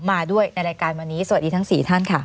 มาด้วยในรายการวันนี้สวัสดีทั้ง๔ท่านค่ะ